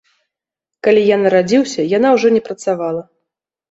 Калі я нарадзіўся, яна ўжо не працавала.